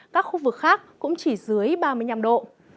các khu vực khác cũng chỉ dưới ba mươi năm độ